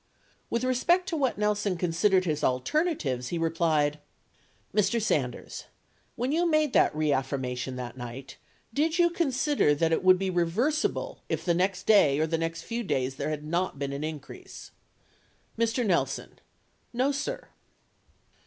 With respect to what Nelson considered his alternatives, he replied : Mr. Sanders. When you made that reaffirmation that night, did you consider that it would be reversible if the next day, or the next few days there had not been an increase? Mr. Nelson. No, sir.